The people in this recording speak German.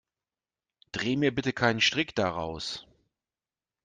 Dreh mir bitte keinen Strick daraus.